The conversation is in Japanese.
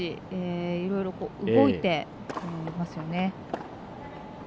いろいろ動いてますよね。